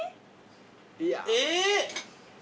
えっ？